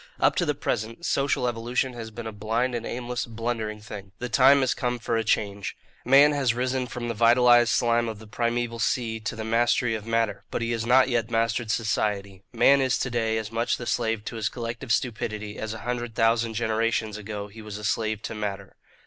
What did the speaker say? Up to the present, social evolution has been a blind and aimless, blundering thing. The time has come for a change. Man has risen from the vitalized slime of the primeval sea to the mastery of matter; but he has not yet mastered society. Man is to day as much the slave to his collective stupidity, as a hundred thousand generations ago he was a slave to matter.